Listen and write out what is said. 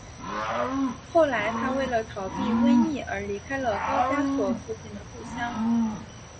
后来他为了逃避瘟疫而离开了高加索附近的故乡。